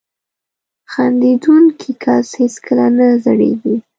• خندېدونکی کس هیڅکله نه زړېږي.